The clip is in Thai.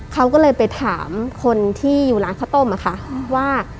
เขาก็เลยไปถามคนที่อยู่ร้านข้าวต้มอะค่ะว่า